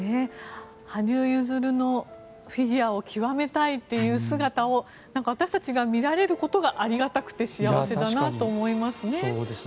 羽生結弦のフィギュアを極めたいという姿を私たちが見られることがありがたくて幸せだなと思いますね。